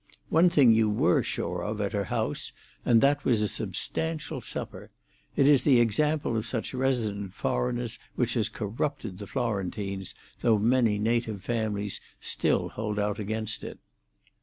One thing you were sure of at her house, and that was a substantial supper; it is the example of such resident foreigners which has corrupted the Florentines, though many native families still hold out against it.